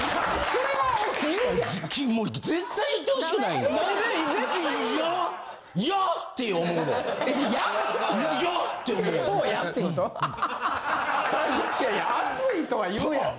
いやいや熱いとは言うやん。